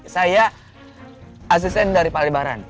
saya asisten dari palibaran